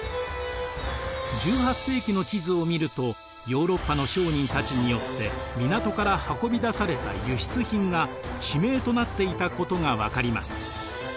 １８世紀の地図を見るとヨーロッパの商人たちによって港から運び出された輸出品が地名となっていたことが分かります。